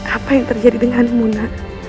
apa yang terjadi denganmu nak